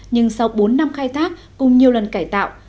nhưng sau bốn năm khai thác cùng nhiều lần cải tạo